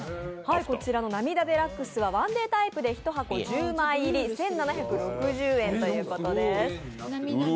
こちらのなみだＤＸはワンデータイプで１箱１０枚入り１７６０円ということです。